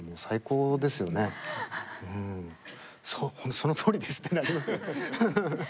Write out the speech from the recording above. そそのとおりですってなりますよね。